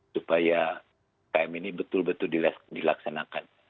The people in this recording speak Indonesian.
supaya km ini betul betul dilaksanakan